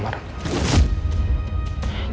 ada orang salah kamar